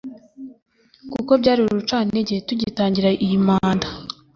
kuko byari urucantege tugitangira iyi manda”